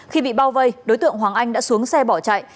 khi bị bao vây đối tượng hoàng anh đã xuống xe bỏ chạy